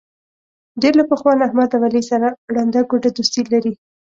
ډېر له پخوا نه احمد او علي سره ړنده ګوډه دوستي لري.